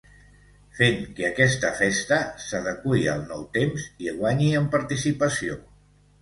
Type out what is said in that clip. Fent que aquesta festa s'adeqüi als nous temps i guanyi en participació.